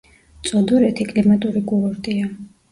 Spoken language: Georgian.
წოდორეთი კლიმატური კურორტია.